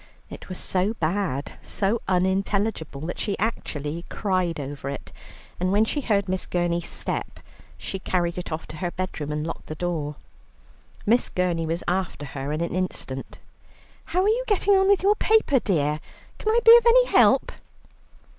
It was so bad, so unintelligible, that she actually cried over it, and when she heard Miss Gurney's step, she carried it off to her bedroom and locked the door. Miss Gurney was after her in an instant. "How are you getting on with your paper, dear? Can I be of any help?"